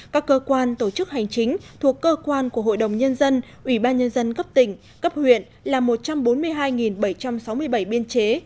các cơ quan tổ chức hành chính thuộc cơ quan của hội đồng nhân dân ủy ban nhân dân cấp tỉnh cấp huyện là một trăm bốn mươi hai bảy trăm sáu mươi bảy biên chế